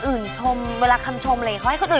เฮ้ยพร้อมอย่างอยู่